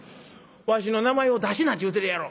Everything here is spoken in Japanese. わしの名前を出すなっちゅうてるやろ」。